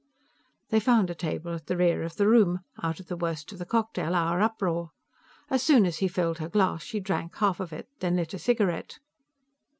They found a table at the rear of the room, out of the worst of the cocktail hour uproar. As soon as he filled her glass, she drank half of it, then lit a cigarette.